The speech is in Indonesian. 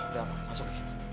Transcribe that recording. udah mama masuk